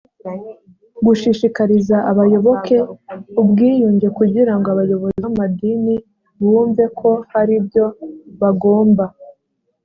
gushishikariza abayoboke ubwiyunge kugira ngo abayobozi b amadini bumve ko hari ibyo bagomba